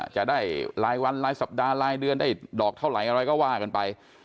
จะได้รายวันรายสัปดาห์รายเดือนได้ดอกเท่าไหร่อะไรก็ว่ากันไป